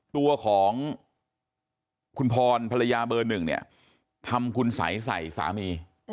ตัวของคุณพรภรรยาเบอร์หนึ่งเนี่ยทำคุณสัยใส่สามี